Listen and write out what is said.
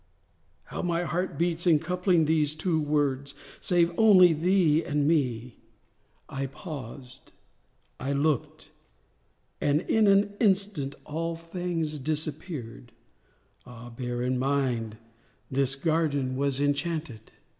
How my heart beats in coupling those two words!) Save only thee and me. I paused—I looked— And in an instant all things disappeared. (Ah, bear in mind this garden was enchanted!)